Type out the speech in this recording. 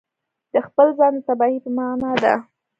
د خپل ځان د تباهي په معنا ده.